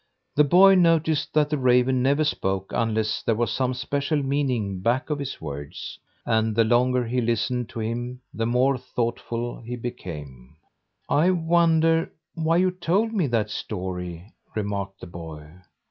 The boy noticed that the raven never spoke unless there was some special meaning back of his words, and the longer he listened to him, the more thoughtful he became. "I wonder why you told me that story?" remarked the boy.